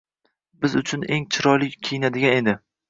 Biz uchun eng chiroyli kiyinadigan edi.